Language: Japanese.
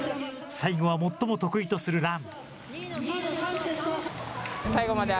最後は最も得意とするラン。